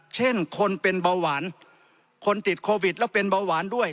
เช่นคนเป็นเบาหวานคนติดโควิดแล้วเป็นเบาหวานด้วย